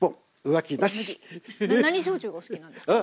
何焼酎がお好きなんですか？